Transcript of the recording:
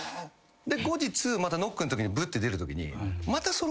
で後日またノックのときにブッて出るときに。